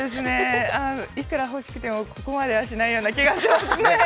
いくら欲しくてもここまではやらないような気がしますね。